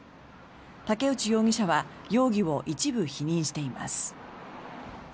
竹内容疑者は容疑を一部否認しています。